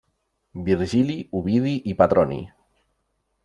Virgili, Ovidi i Petroni.